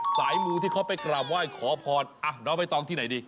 สายหมูที่เค้าไปกร่าบไหว้ขอพรอ่ะเราไปตรงที่ไหนสิ